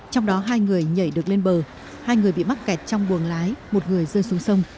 trong đó hai người nhảy được lên bờ hai người bị mắc kẹt trong buồng lái một người rơi xuống sông